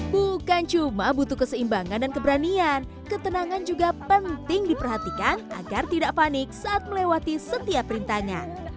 bukan cuma butuh keseimbangan dan keberanian ketenangan juga penting diperhatikan agar tidak panik saat melewati setiap rintangan